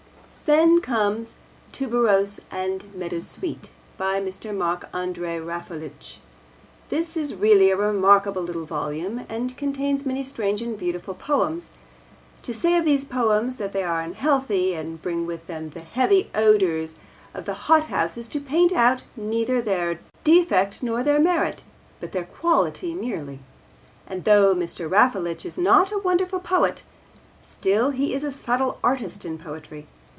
Then comes Tuberose and Meadowsweet, by Mr. Mark Andre Raffalovich. This is really a remarkable little volume, and contains many strange and beautiful poems. To say of these poems that they are unhealthy and bring with them the heavy odours of the hothouse is to point out neither their defect nor their merit, but their quality merely. And though Mr. Raffalovich is not a wonderful poet, still he is a subtle artist in poetry.